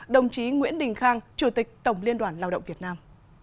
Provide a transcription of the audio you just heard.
đồng chí nguyễn đình khang chủ tịch tổng liên đoàn lao động việt nam